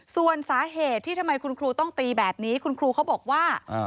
ส่วนสาเหตุที่ทำไมคุณครูต้องตีแบบนี้คุณครูเขาบอกว่า